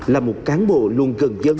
là một cán bộ luôn gần dân